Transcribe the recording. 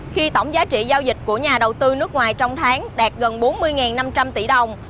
khi tổng giá trị giao dịch của nhà đầu tư nước ngoài trong tháng đạt gần bốn mươi năm trăm linh tỷ đồng